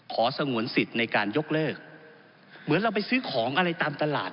สงวนสิทธิ์ในการยกเลิกเหมือนเราไปซื้อของอะไรตามตลาด